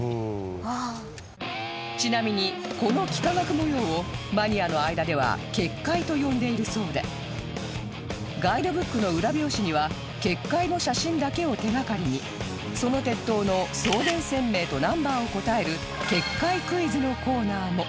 ちなみにこの幾何学模様をマニアの間では結界と呼んでいるそうでガイドブックの裏表紙には結界の写真だけを手掛かりにその鉄塔の送電線名と Ｎｏ． を答える結界クイズのコーナーも